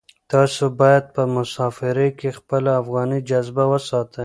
تاسو باید په مسافرۍ کې خپله افغاني جذبه وساتئ.